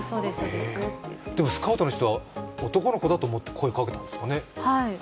でもスカウトの人は、男の子だと思って声をかけたんですかね。